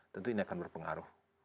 tentu ini akan berpengaruh